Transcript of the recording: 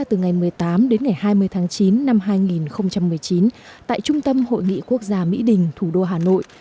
từ ngày một mươi tám đến ngày hai mươi tháng chín năm hai nghìn một mươi chín tại trung tâm hội nghị quốc gia mỹ đình thủ đô hà nội